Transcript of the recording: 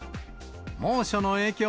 猛暑の影響？